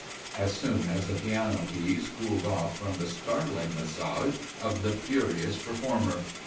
as soon as the piano keys cooled off from the startling massage of the furious performer.